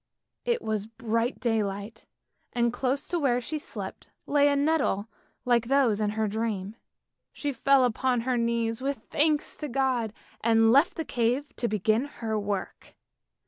It was bright day light, and close to where she slept lay a nettle like those in her dream. She fell upon her knees with thanks to God and left the cave to begin her work.